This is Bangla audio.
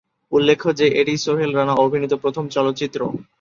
উল্লেখ্য যে এটিই সোহেল রানা অভিনীত প্রথম চলচ্চিত্র।